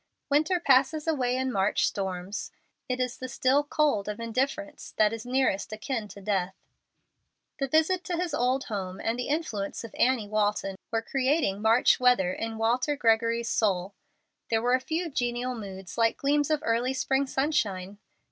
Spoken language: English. Winter passes away in March storms. It is the still cold of indifference that is nearest akin to death. The visit to his old home, and the influence of Annie Walton, were creating March weather in Walter Gregory's soul. There were a few genial moods like gleams of early spring sunshine.